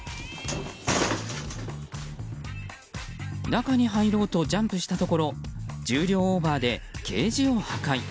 中に入ろうとジャンプしたところ重量オーバーでケージを破壊。